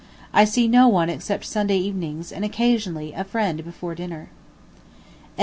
I see no one except Sunday evenings, and, occasionally, a friend before dinner. _To W.